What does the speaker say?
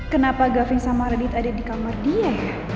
kenapa gavine sama radit ada di kamar dia ya